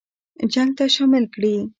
جنګ ته شامل کړي.